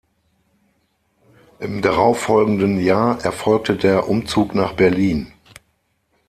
Im darauffolgenden Jahr erfolgte der Umzug nach Berlin.